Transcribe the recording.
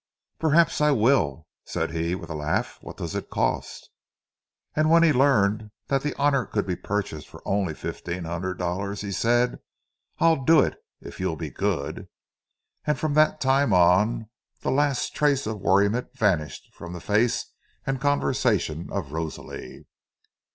"Perhaps I will," said he, with a laugh. "What does it cost?" And when he learned that the honour could be purchased for only fifteen hundred dollars, he said, "I'll do it, if you'll be good." And from that time on the last trace of worriment vanished from the face and the conversation of Rosalie.